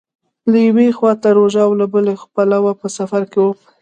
خو یوې خوا ته روژه او له بله پلوه په سفر کې وم.